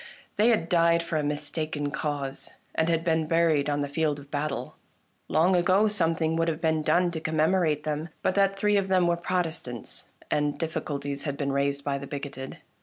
They had died for a mistaken cause, and had been buried on the field of battle. Long ago something would have been done to commemorate them but that three of them were Protestants, and dif ficulties had been raised by the bigoted.